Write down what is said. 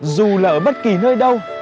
dù là ở bất kỳ nơi đâu